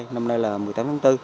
năm nay là một mươi tám tháng bốn